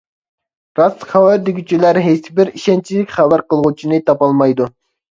راست خەۋەر دېگۈچىلەر ھېچبىر ئىشەنچلىك خەۋەر قىلغۇچىنى تاپالمايدۇ.